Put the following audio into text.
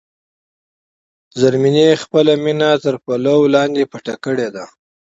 زرمینې خپله مینه تر پلو لاندې پټه کړې ده.